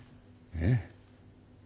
えっ？